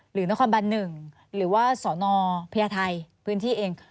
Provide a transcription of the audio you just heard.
หรือนครบาลหนึ่งหรือว่าสอนอพยาไทยพื้นที่เอง